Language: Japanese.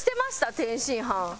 天津飯。